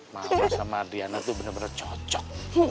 mama sama adriana tuh bener bener cocok